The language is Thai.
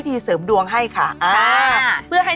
เดี๋ยวเยอะไป